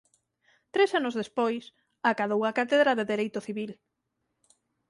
Tres anos despois acadou a cátedra de Dereito Civil.